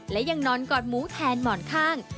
และยังนอนกอดหมูแทนหมอนข้าง